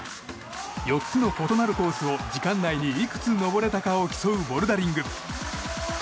４つの異なるコースを時間内にいくつ登れたかを競うボルダリング。